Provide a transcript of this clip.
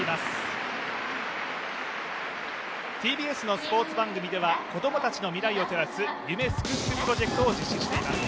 ＴＢＳのスポーツ番組では子供たちの未来を照らす夢すくすくプロジェクトを実施しています。